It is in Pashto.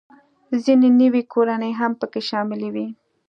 ځینې نوې کورنۍ هم پکې شاملې وې